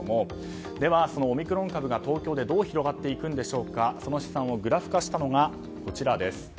では、オミクロン株が東京でどう広がっていくのかその試算をグラフ化したのがこちらです。